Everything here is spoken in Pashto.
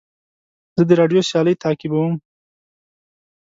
زه د راډیو سیالۍ تعقیبوم.